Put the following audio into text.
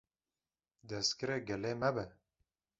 destgirê gelê me be!